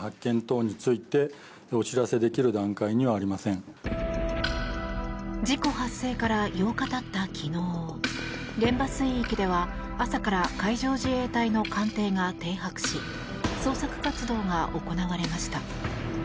「颯」事故発生から８日経った昨日現場水域では朝から海上自衛隊の艦艇が停泊し捜索活動が行われました。